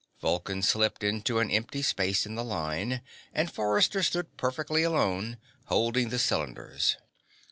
Vulcan slipped into an empty space in the line, and Forrester stood perfectly alone, holding the cylinders.